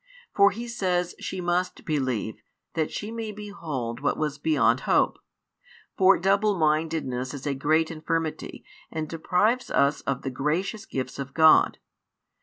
For He says she must believe, that she may behold what was beyond hope. For double mindedness is a great infirmity and deprives us of the gracious gifts of God.